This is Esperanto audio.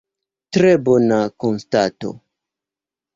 Tre bona konstato.